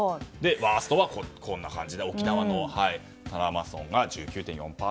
ワーストはこんな感じで沖縄の多良間村が１９．４％と。